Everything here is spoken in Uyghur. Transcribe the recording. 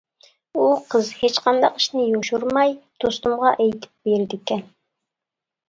ئۇ قىز ھېچقانداق ئىشنى يوشۇرماي دوستۇمغا ئېيتىپ بېرىدىكەن.